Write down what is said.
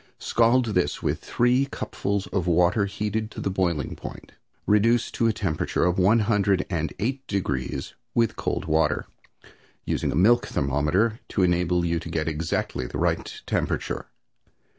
Scald this with three cupfuls of water heated to the boiling point. Reduce to a temperature of one hundred and eight degrees with cold water, using a milk thermometer to enable you to get exactly the right temperature.